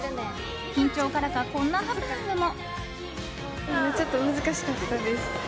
緊張からかこんなハプニングも。